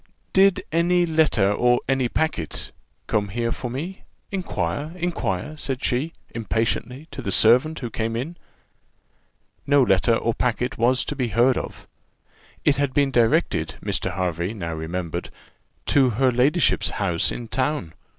"Did any letter, any packet, come here for me? Inquire, inquire," said she, impatiently, to the servant who came in. No letter or packet was to be heard of. It had been directed, Mr. Hervey now remembered, to her ladyship's house in town.